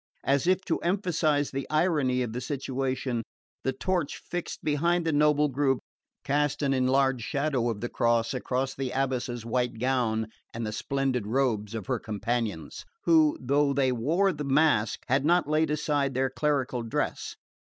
As if to emphasise the irony of the situation, the torch fixed behind this noble group cast an enlarged shadow of the cross over the abbess's white gown and the splendid robes of her companions, who, though they wore the mask, had not laid aside their clerical dress.